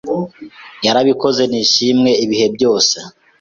yarabikoze nishimwe ibihe byose